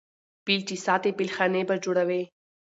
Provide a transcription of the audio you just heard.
ـ فيل چې ساتې فيلخانې به جوړوې.